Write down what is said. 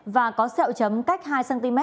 và có xeo chấm cách hai cm